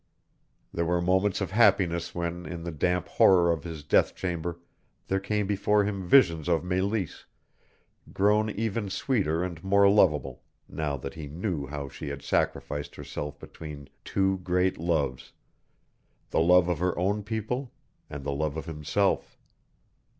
There were moments of happiness when in the damp horror of his death chamber there came before him visions of Meleese, grown even sweeter and more lovable, now that he knew how she had sacrificed herself between two great loves the love of her own people and the love of himself.